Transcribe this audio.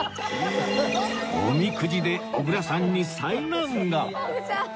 おみくじで小倉さんに災難が